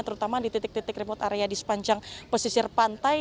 terutama di titik titik remote area di sepanjang pesisir pantai